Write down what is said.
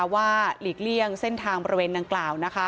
ว่าหลีกเลี่ยงเส้นทางประเวณนางกล่าว